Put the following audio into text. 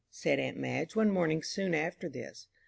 said aunt Madge, one morning soon after this.